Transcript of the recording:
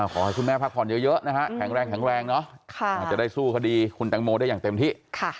ขอให้คุณแม่พักผ่อนเยอะนะฮะแข็งแรงแข็งแรงเนอะจะได้สู้คดีคุณแตงโมได้อย่างเต็มที่